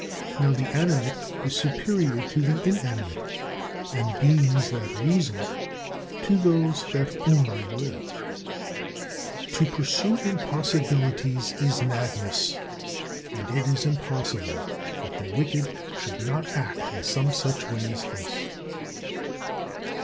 Now, the animate is superior to the inanimate, and beings that reason to those that only live. 17. To pursue impossibilities is madness; and it is impossible that the wicked should not act in some such way as this.